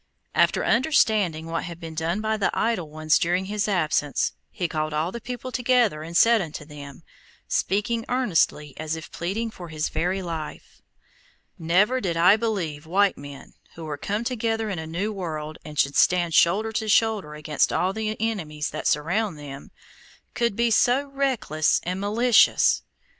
After understanding what had been done by the idle ones during his absence, he called all the people together and said unto them, speaking earnestly, as if pleading for his very life: "Never did I believe white men who were come together in a new world, and should stand shoulder to shoulder against all the enemies that surround them, could be so reckless and malicious.